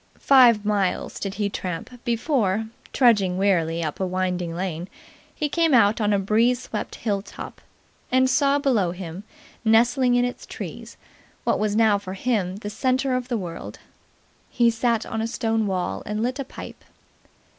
Five miles did he tramp before, trudging wearily up a winding lane, he came out on a breeze swept hill top, and saw below him, nestling in its trees, what was now for him the centre of the world. He sat on a stone wall and lit a pipe.